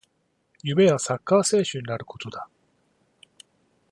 夢はサッカー選手になることだ